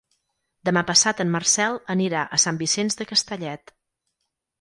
Demà passat en Marcel anirà a Sant Vicenç de Castellet.